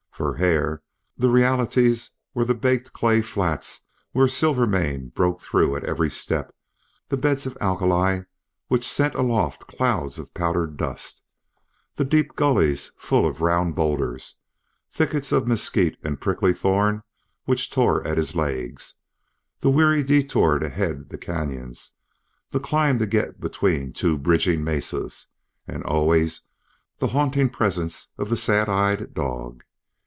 For Hare the realities were the baked clay flats, where Silvermane broke through at every step; the beds of alkali, which sent aloft clouds of powdered dust; the deep gullies full of round bowlders; thickets of mesquite and prickly thorn which tore at his legs; the weary detour to head the canyons; the climb to get between two bridging mesas; and always the haunting presence of the sad eyed dog.